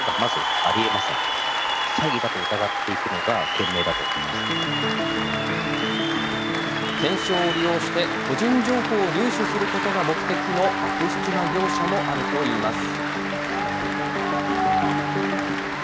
懸賞を利用して、個人情報を入手することが目的の悪質な業者もあるといいます。